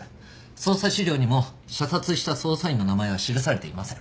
捜査資料にも射殺した捜査員の名前は記されていません。